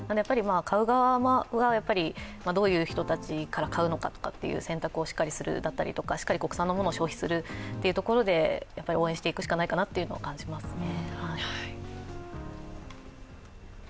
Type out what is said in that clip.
買う側はどういう人たちから買うのかという選択をしっかりするだとか、しっかり国産のものを消費するっていうところで応援していくしかないなと感じますね。